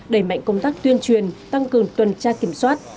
đẩy mạnh công tác tuyên truyền tăng cường tuần tra kiểm soát